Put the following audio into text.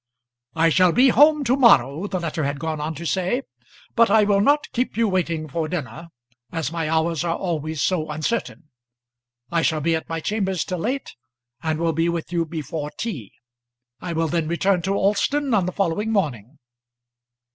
"I shall be home to morrow," the letter had gone on to say, "but I will not keep you waiting for dinner, as my hours are always so uncertain. I shall be at my chambers till late, and will be with you before tea. I will then return to Alston on the following morning."